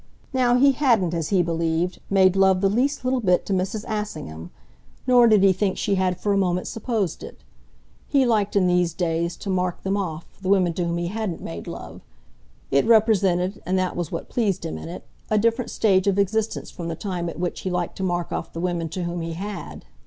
Now he hadn't, as he believed, made love the least little bit to Mrs. Assingham nor did he think she had for a moment supposed it. He liked in these days, to mark them off, the women to whom he hadn't made love: it represented and that was what pleased him in it a different stage of existence from the time at which he liked to mark off the women to whom he had.